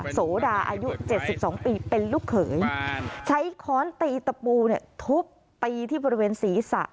โสดาอายุ๗๒ปีเป็นลูกเขยใช้ค้อนตีตะปูทุบตีที่บริเวณศีรษะ